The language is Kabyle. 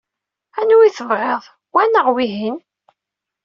Anwa i tebɣiḍ, wa neɣ wihin?